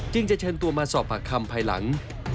จึงจะเช่นตัวมาสอบหักคำภายหลัง